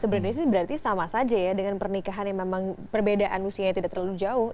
sebenarnya sih berarti sama saja ya dengan pernikahan yang memang perbedaan usianya tidak terlalu jauh